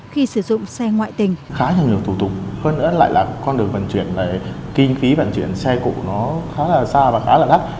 khá nhiều thủ tục hơn nữa là con đường vận chuyển kinh phí vận chuyển xe cũ nó khá là xa và khá là đắt